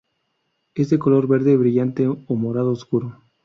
Es de color verde brillante a morado oscuro.